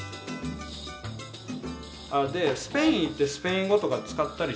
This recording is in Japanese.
でスペイン行ってスペイン語とか使ったりした？